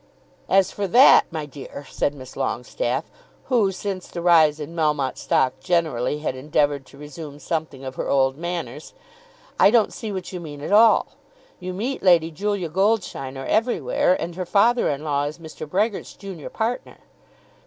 "As for that, my dear," said Miss Longestaffe, who, since the rise in Melmotte stock generally, had endeavoured to resume something of her old manners, "I don't see what you mean at all. You meet Lady Julia Goldsheiner everywhere, and her father in law is Mr. Brehgert's junior partner."